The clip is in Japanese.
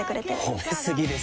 褒め過ぎですよ。